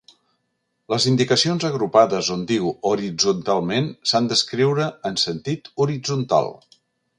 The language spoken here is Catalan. Les indicacions agrupades on diu horitzontalment s'han d'escriure en sentit horitzontal.